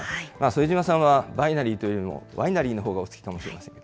副島さんはバイナリーというよりも、ワイナリーのほうがお好きかもしれません。